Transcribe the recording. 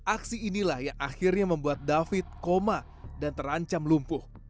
aksi inilah yang akhirnya membuat david koma dan terancam lumpuh